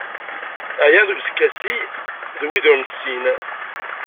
Ɛyiɣ deg uskasi d wid ur nessin.